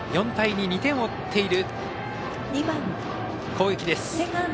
４対２、２点を追っている攻撃。